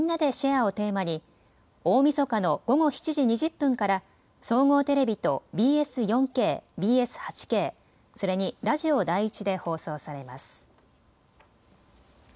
ーをテーマに大みそかの午後７時２０分から総合テレビとＢＳ４Ｋ、ＢＳ８Ｋ、それにラジオ第１で放送されます。